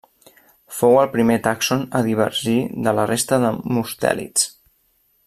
Fou el primer tàxon a divergir de la resta de mustèlids.